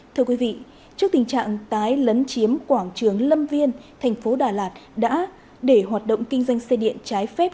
thưa quý vị trước tình trạng tái lấn chiếm quảng trường lâm viên thành phố đà lạt đã để hoạt động kinh doanh xe điện trái phép